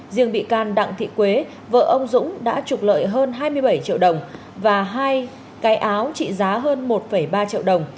riêng bị can đặng thị quế vợ ông dũng đã trục lợi hơn hai mươi bảy triệu đồng và hai cái áo trị giá hơn một ba triệu đồng